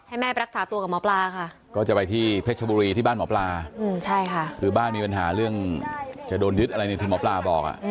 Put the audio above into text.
ให้แม่ไปรักษาตัวกับหมอปลาค่ะก็จะไปที่เพชรบุรีที่บ้านหมอปลาใช่ค่ะคือบ้านมีปัญหาเรื่องจะโดนยึดอะไรเนี่ยที่หมอปลาบอก